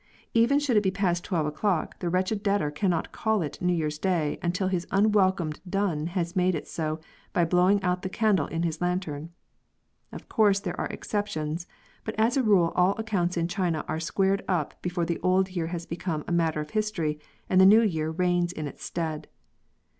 Even should it be past twelve o'clock, the wretched debtor cannot call it New Year's Day until his unwelcome dun has made it so by blowing out the candle in his lantern. Of course there are exceptions, but as a rule all accounts in China are squared up before the old year has become a matter of history and the new year reigns in its stead.